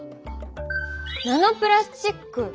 ナノプラスチック。